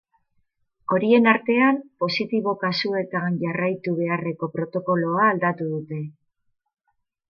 Horien artean, positibo kasuetan jarraitu beharreko protokoloa aldatu dute.